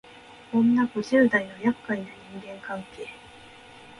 女五十代のやっかいな人間関係